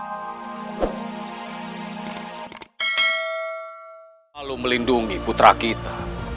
selalu melindungi putra kita